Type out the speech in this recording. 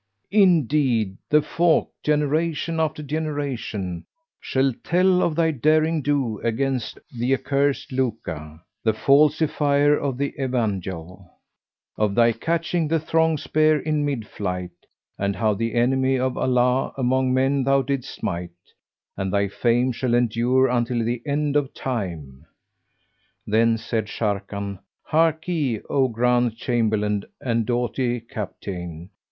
Indeed the folk, generation after generation, shall tell of thy derring do against the accursed Luka, the falsifier of the Evangel;[FN#396] of thy catching the throng spear in mid flight, and how the enemy of Allah among men thou didst smite; and thy fame shall endure until the end of time." Then said Sharrkan, "Harkye, O grand Chamberlain and doughty Capitayne!"